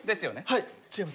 はい違います。